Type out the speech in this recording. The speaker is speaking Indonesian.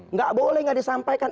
nggak boleh nggak disampaikan